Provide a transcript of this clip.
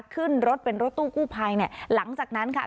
ขึ้นรถเป็นรถตู้กู้ภัยเนี่ยหลังจากนั้นค่ะ